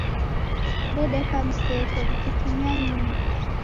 Dedeka mseto dikitumia nyungu.